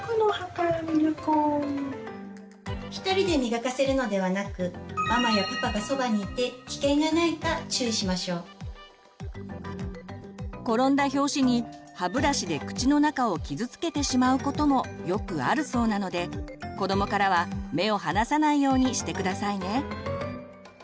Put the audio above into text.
１人で磨かせるのではなくママやパパがそばにいて転んだ拍子に歯ブラシで口の中を傷つけてしまうこともよくあるそうなので子どもからは目を離さないようにしてくださいね。